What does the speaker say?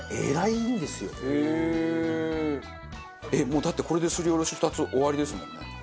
もうだってこれですりおろし２つ終わりですもんね。